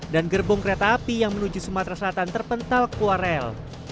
dan gerbong kereta api yang menuju sumatera selatan terpental kuarel